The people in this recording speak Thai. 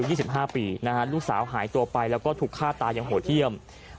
เราสาวหายตัวไปแล้วก็ถูกฆ่าตายังห่วงเที่ยม